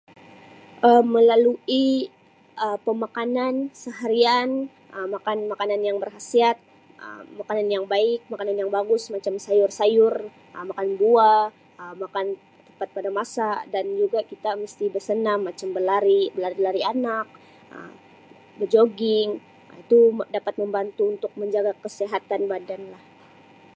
Um Melalui Um pemakanan seharian Um makan makanan yang berkhasiat Um makanan yang baik makanan yang bagus macam sayur-sayur Um makan buah Um makan tepat pada masa dan juga kita mesti bersenam macam berlari berlari lari anak Um berjogging itu dapat membantu untuk menjaga kesihatan badan.